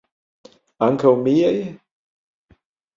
Ankaŭ miaj?